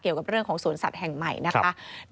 เกี่ยวกับเรื่องของสวนสัตว์แห่งใหม่นะคะ